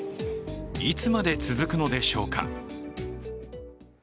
いつまで続くのでしょうか。